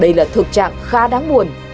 đây là thực trạng khá đáng buồn